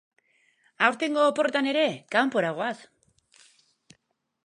Gizakien ahultasunaren gainean aritzen dira hiru aktore nagusiak pieza honetan.